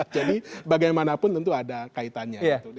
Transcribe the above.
jadi bagaimanapun tentu ada kaitannya